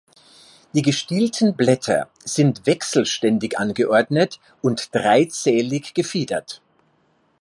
Die gestielten Blätter sind wechselständig angeordnet und dreizählig gefiedert.